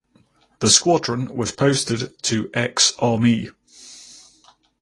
The squadron was posted to "X Armee".